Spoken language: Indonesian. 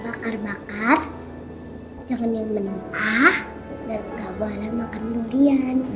bakar bakar jangan yang mentah jangan makan yang mentah jangan makan yang mentah jangan makan yang